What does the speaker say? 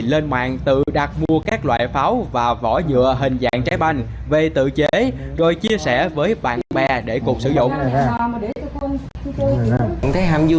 lên mạng tự đặt mua các loại pháo và vỏ dừa hình dạng trái banh về tự chế rồi chia sẻ với bạn bè để cuộc sử dụng